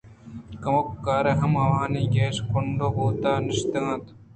کمکار ہم آوانی کش ءَ کونڈو بوت ءُنشت اَنت